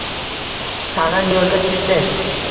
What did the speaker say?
tag‘in yo‘lga tushdi.